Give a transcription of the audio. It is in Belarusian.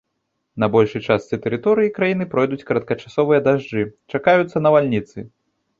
На большай частцы тэрыторыі краіны пройдуць кароткачасовыя дажджы, чакаюцца навальніцы.